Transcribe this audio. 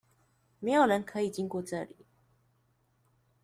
沒有人可以經過這裡！